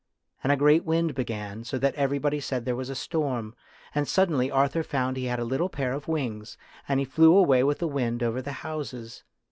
And a great wind began, so that everybody said there was a storm, and sud denly Arthur found he had a little pair of wings, and he flew away with the wind over the houses.